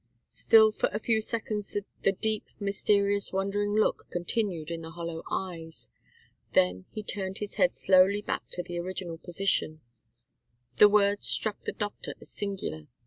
Still for a few seconds the deep, mysterious, wondering look continued in the hollow eyes. Then he turned his head slowly back to the original position. The words struck the doctor as singular.